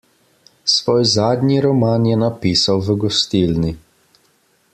Svoj zadnji roman je napisal v gostilni.